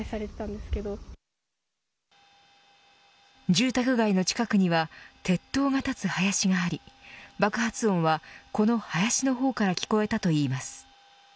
住宅街の近くには鉄塔が建つ林があり爆発音はこの林の方から聞こえたといいます。